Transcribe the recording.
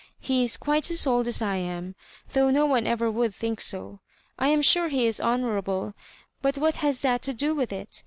He is quite as old as I am, though no one ever would think so. I am sure he is honourable, but what has that to do wiUi it